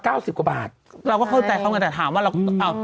สิบกว่าบาทเราก็เข้าใจเขาไงแต่ถามว่าเราเอา